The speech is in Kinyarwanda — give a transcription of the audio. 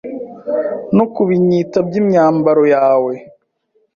No ku binyita by’imyambaro yawe